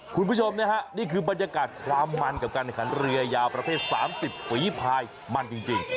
คุณผู้ชมนะฮะนี่คือบรรยากาศความมันกับการแข่งขันเรือยาวประเภท๓๐ฝีภายมันจริง